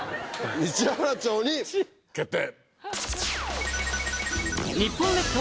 日原町に決定！